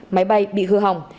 máy bay bị hư hỏng